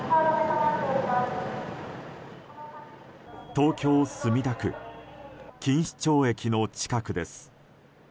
東京・墨田区錦糸町駅の近くです。